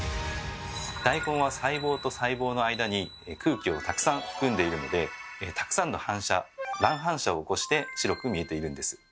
大根は細胞と細胞の間に空気をたくさん含んでいるのでたくさんの反射乱反射を起こして白く見えているんです。